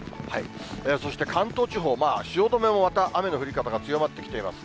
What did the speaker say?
そして関東地方、汐留もまた雨の降り方が強まってきています。